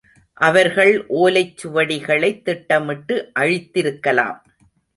அவர்கள் ஓலைச் சுவடிகளைத் திட்டமிட்டு அழித்திருக்கலாம்.